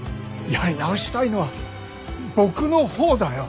やり直したいのは僕の方だよ。